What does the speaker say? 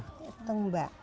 itu itu mbak